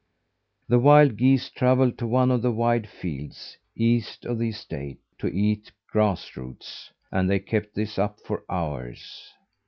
The wild geese travelled to one of the wide fields, east of the estate, to eat grass roots, and they kept this up for hours.